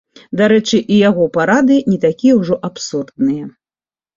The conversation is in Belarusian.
Дарэчы, і яго парады не такія ўжо абсурдныя.